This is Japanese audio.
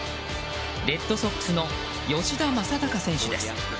レッドソックスの吉田正尚選手です。